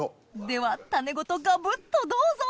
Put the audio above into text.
では種ごとガブっとどうぞ！